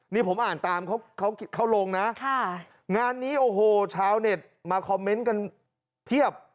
นี่ผมอ่านตามเขาเขาลงนะงานนี้โอ้โหชาวเน็ตมาคอมเมนต์กันเพียบ